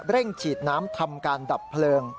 เร่งฉีดน้ำทำการดับเพลิง